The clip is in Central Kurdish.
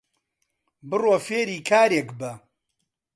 بڕۆ فێری کارێک بە